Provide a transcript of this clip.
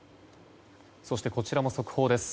そしてこちらも速報です。